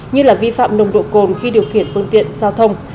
như là vi phạm nồng độ cồn khi điều khiển phương tiện giao thông